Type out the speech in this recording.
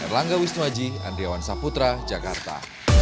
erlangga wisnuaji andriawan saputra jakarta